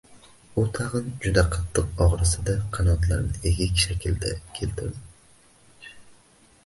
U tag‘in, juda qattiq og‘risa-da, qanotlarini egik shaklga keltirdi